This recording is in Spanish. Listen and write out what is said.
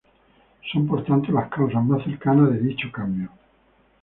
Son por tanto las causas más cercanas de dicho cambio.